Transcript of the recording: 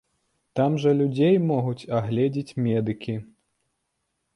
Там жа людзей могуць агледзець медыкі.